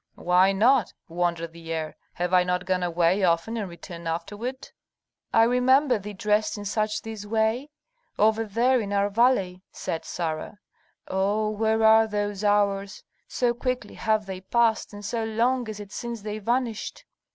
"Why not?" wondered the heir. "Have I not gone away often and returned afterward?" "I remember thee dressed in just this way over there in our valley," said Sarah. "Oh, where are those hours! So quickly have they passed, and so long is it since they vanished."